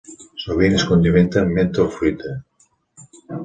Sovint es condimenta amb menta o fruita.